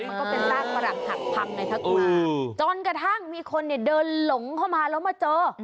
ก็เป็นสร้างประหลังหักพรรมในทักวันจนกระทั่งมีคนเดินหลงเข้ามาแล้วมาเจอ